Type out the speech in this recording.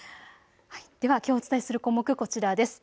ではきょうお伝えする項目、こちらです。